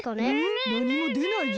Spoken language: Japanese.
なにもでないぞ。